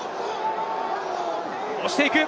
押していく。